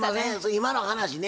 今の話ね